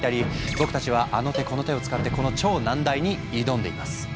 僕たちはあの手この手を使ってこの超難題に挑んでいます。